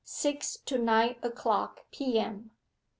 SIX TO NINE O'CLOCK P.M.